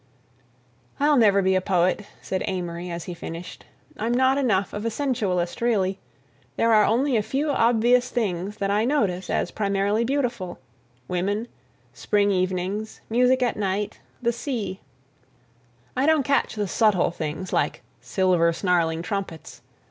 "I'll never be a poet," said Amory as he finished. "I'm not enough of a sensualist really; there are only a few obvious things that I notice as primarily beautiful: women, spring evenings, music at night, the sea; I don't catch the subtle things like 'silver snarling trumpets.